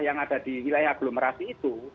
yang ada di wilayah aglomerasi itu